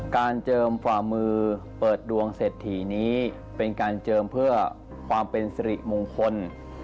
เจิมฝ่ามือเปิดดวงเศรษฐีนี้เป็นการเจิมเพื่อความเป็นสิริมงคล